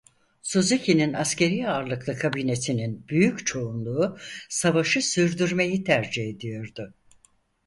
Suzuki'nin askeri ağırlıklı kabinesinin büyük çoğunluğu savaşı sürdürmeyi tercih ediyordu.